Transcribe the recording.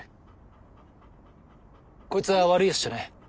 こいつは悪いやつじゃねえ。